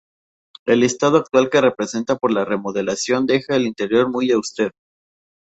El estado actual que presenta por la remodelación deja el interior muy austero.